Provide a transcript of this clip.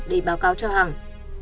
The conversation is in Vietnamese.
để báo cáo cho hằng